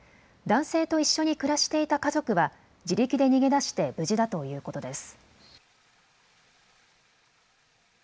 男性と一緒に暮らしていた家族は自力で逃げ出して無事だということです。